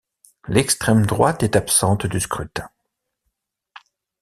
L'extrême droite est absente du scrutin.